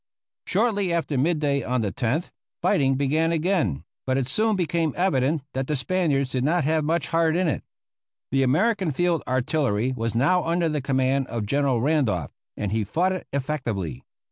Shortly after midday on the 10th fighting began again, but it soon became evident that the Spaniards did not have much heart in it. The American field artillery was now under the command of General Randolph, and he fought it effectively.